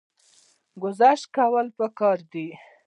ګذشت کول پکار دي